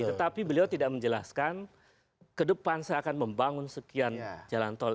tetapi beliau tidak menjelaskan ke depan saya akan membangun sekian jalan tol